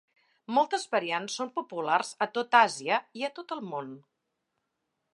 Moltes variants són populars a tot Àsia i a tot el món.